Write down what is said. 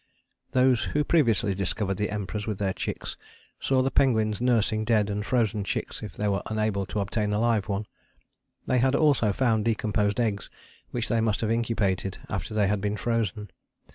Those who previously discovered the Emperors with their chicks saw the penguins nursing dead and frozen chicks if they were unable to obtain a live one. They also found decomposed eggs which they must have incubated after they had been frozen.